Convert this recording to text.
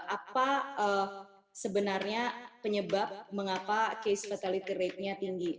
apa sebenarnya penyebab mengapa case fatality ratenya tinggi